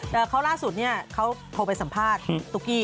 แต่เขาล่าสุดเนี่ยเขาโทรไปสัมภาษณ์ตุ๊กกี้